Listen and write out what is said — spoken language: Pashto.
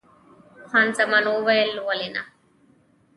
خان زمان وویل: ولې نه؟